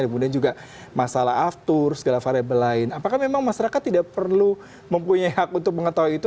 kemudian juga masalah aftur segala variable lain apakah memang masyarakat tidak perlu mempunyai hak untuk mengetahui itu